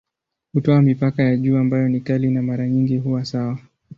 Hutoa mipaka ya juu ambayo ni kali na mara nyingi huwa sawa.